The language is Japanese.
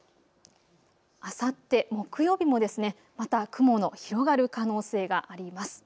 あさって木曜日も、また雲の広がる可能性があります。